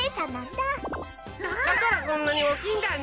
だからこんなに大きいんだね。